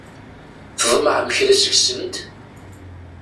Tḍemɛem kra seg-sent?